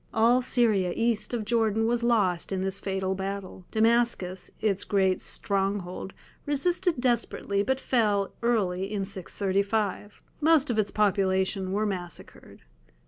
All Syria east of Jordan was lost in this fatal battle. Damascus, its great stronghold, resisted desperately but fell early in 635. Most of its population were massacred.